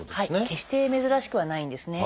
決して珍しくはないんですね。